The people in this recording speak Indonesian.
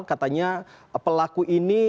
katanya pelaku ini